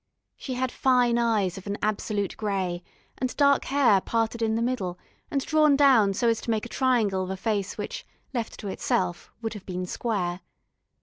She had fine eyes of an absolute grey, and dark hair parted in the middle and drawn down so as to make a triangle of a face which, left to itself, would have been square.